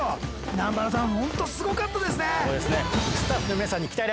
南原さんホントすごかったですね。